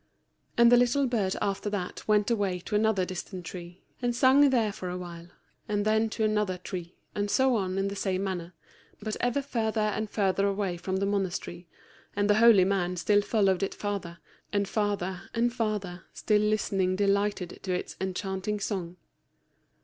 And the little bird after that went away to another distant tree, and sung there for a while, and then to another tree, and so on in the same manner, but ever further and further away from the monastery, and the holy man still following it farther, and farther, and farther, still listening delighted to its enchanting song.